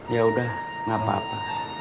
yaudah gak apa apa